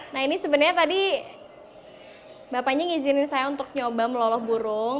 nah ini sebenarnya tadi bapaknya ngizinin saya untuk nyoba meloloh burung